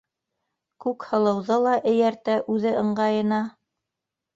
Күкһылыуҙы ла эйәртә үҙе ыңғайына.